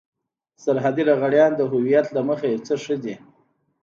سرحدي لغړيان د هويت له مخې يو څه ښه دي.